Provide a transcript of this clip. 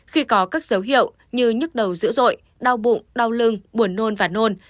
khi có các dấu hiệu như nhức đầu dữ dội đau bụng đau lưng buồn nôn và nôn